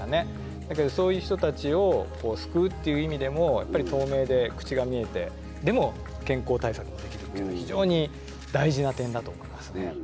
だけどそういう人たちを救うっていう意味でもやっぱり透明で口が見えてでも健康対策もできるっていうのは非常に大事な点だと思いますね。